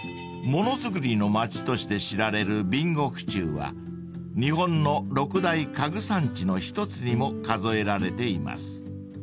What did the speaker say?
［ものづくりのまちとして知られる備後府中は日本の６大家具産地の一つにも数えられています］